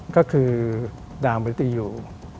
ก็คือดาวมริตยู